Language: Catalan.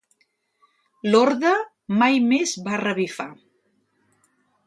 L'orde mai més va revifar.